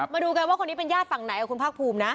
มาดูกันว่าคนนี้เป็นญาติฝั่งไหนกับคุณภาคภูมินะ